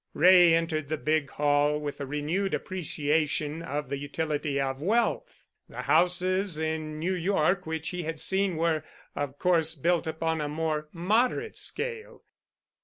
Wray entered the big hall with a renewed appreciation of the utility of wealth. The houses in New York which he had seen were, of course, built upon a more moderate scale.